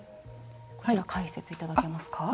こちら、解説いただけますか。